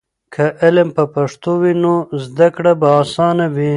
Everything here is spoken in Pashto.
که علم په پښتو وي، نو زده کړه به اسانه وي.